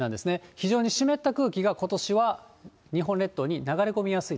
非常に湿った空気がことしは日本列島に流れ込みやすい。